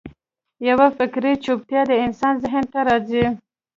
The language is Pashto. یوه فکري چوپتیا د انسان ذهن ته راځي.